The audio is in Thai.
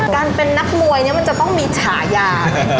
การเป็นนักมวยเนี่ยมันจะต้องมีฉายา